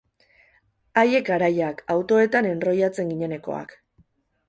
Haiek garaiak, autoetan enrollatzen ginenekoak.